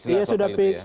dia sudah fix